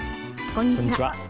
こんにちは。